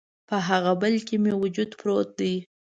په هغه بل کي مې وجود پروت دی